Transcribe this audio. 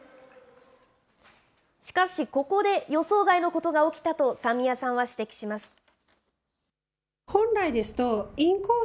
しかし、ここで予想外のことが起きたと、三宮さんは指摘します。